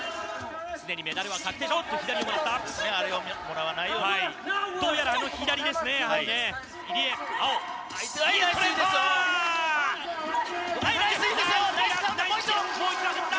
すでにメダルは確定、おっと左をもらった。